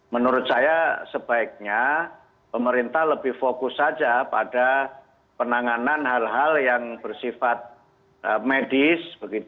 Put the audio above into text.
menurut saya sebaiknya pemerintah lebih fokus saja pada penanganan hal hal yang bersifat medis